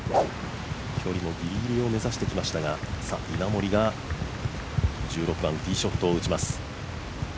距離もぎりぎりを目指してきましたが稲森が１６番、ティーショットを打ちます。